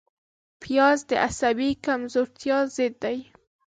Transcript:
پیاز د عصبي کمزورتیا ضد دی